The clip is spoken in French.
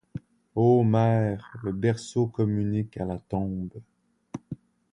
Ô mères, le berceau communique à la tombe.